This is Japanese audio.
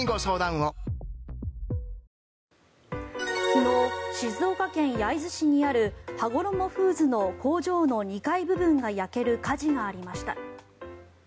昨日、静岡県焼津市にあるはごろもフーズの工場の２階部分が焼ける火事がありました。